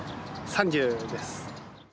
３０です。